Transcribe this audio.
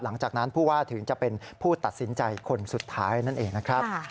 หลังจากนั้นผู้ว่าถึงจะเป็นผู้ตัดสินใจคนสุดท้ายนั่นเองนะครับ